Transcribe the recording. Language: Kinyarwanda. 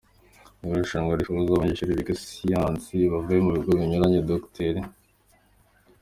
Mu irushanwa rihuza abanyeshuri biga siyansi bavuye mu bigo binyuranye, Dr.